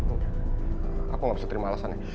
oke aku gak bisa terima alasannya